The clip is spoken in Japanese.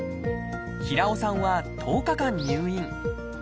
平尾さんは１０日間入院。